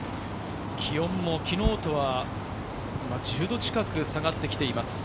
気温も昨日とは１０度近く下がってきています。